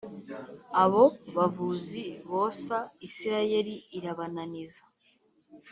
abo bavuzi bosa isirayeli irabananiza